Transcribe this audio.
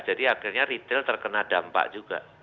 jadi akhirnya retail terkena dampak juga